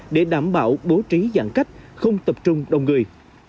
để đảm bảo bố trí giãn cách không tập trung đông người